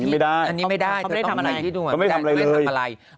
อันนี้ไม่ได้เธอต้องไหนที่จูงหมาเธอไม่ได้ทำอะไรเลย